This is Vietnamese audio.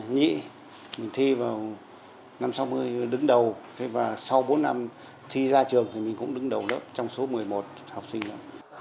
nghĩ mình thi vào năm sáu mươi đứng đầu và sau bốn năm thi ra trường thì mình cũng đứng đầu lớp trong số một mươi một học sinh nữa